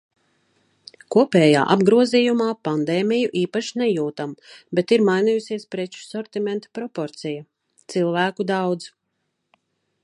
Kopējā apgrozījumā pandēmiju īpaši nejūtam, bet ir mainījusies preču sortimenta proporcija. Cilvēku daudz.